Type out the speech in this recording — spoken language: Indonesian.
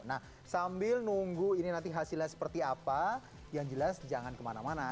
nah sambil nunggu ini nanti hasilnya seperti apa yang jelas jangan kemana mana